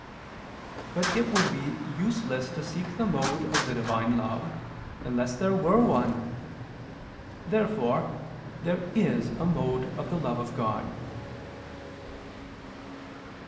But it would be useless to seek the mode of the Divine love, unless there were one. Therefore there is a mode of the love of God.